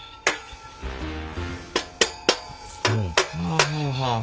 はあはあはあ。